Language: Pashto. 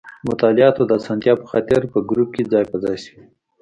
د مطالعاتو د اسانتیا په خاطر په ګروپ کې ځای په ځای شوي.